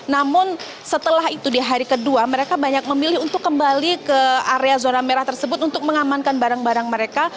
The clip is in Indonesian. namun setelah itu di hari kedua mereka banyak memilih untuk kembali ke area zona merah tersebut untuk mengamankan barang barang mereka